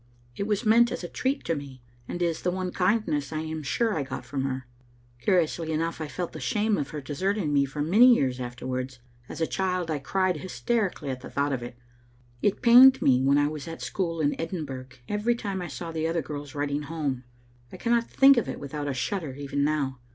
It was meant as a treat to me, and is the one kindness I am sure I got from her. Curiously enough, I felt the shame of her desert ing me for many years afterwards. As a child I cried hysterically at thought of it ; it pained me when I was at school in Edinburgh every time I saw the other girls writing home; I cannot think of it without a shudder even now.